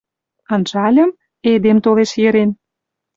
Анжальым — эдем толеш йӹрен